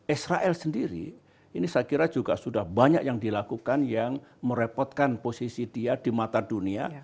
israel sendiri ini saya kira juga sudah banyak yang dilakukan yang merepotkan posisi dia di mata dunia